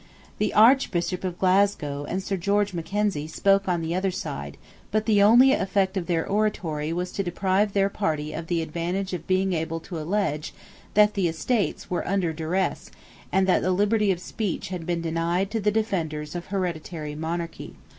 The Archbishop of Glasgow and Sir George Mackenzie spoke on the other side: but the only effect of their oratory was to deprive their party of the advantage of being able to allege that the Estates were under duress, and that liberty of speech had been denied to the defenders of hereditary monarchy.